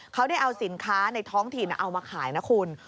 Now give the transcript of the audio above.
เขาได้เอาสินค้าในท้องถิ่นเอามาขายนะคุณ